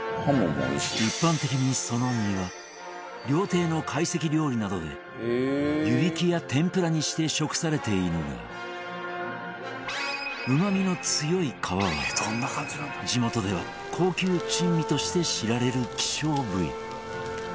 一般的にその身は料亭の会席料理などで湯引きや天ぷらにして食されているがうまみの強い皮は地元では高級珍味として知られる希少部位